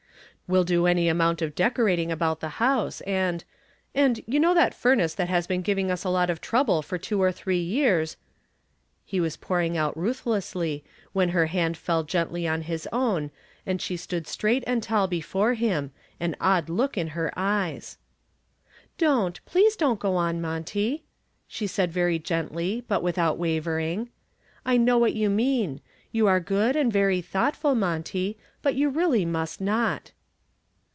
"We'll do any amount of decorating about the house and and you know that furnace has been giving us a lot of trouble for two or three years " he was pouring out ruthlessly, when her hand fell gently on his own and she stood straight and tall before him, an odd look in her eyes. "Don't please don't go on, Monty," she said very gently but without wavering. "I know what you mean. You are good and very thoughtful, Monty, but you really must not."